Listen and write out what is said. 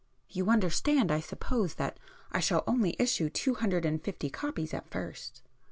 "You understand I suppose, that I shall only issue two hundred and fifty copies at first?"